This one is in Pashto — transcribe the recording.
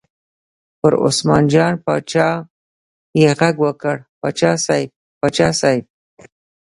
پر عثمان جان باچا یې غږ وکړ: باچا صاحب، باچا صاحب.